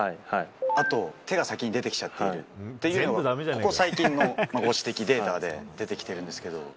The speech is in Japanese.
あと手が先に出てきちゃっているっていうのをここ最近のご指摘データで出てきてるんですけど。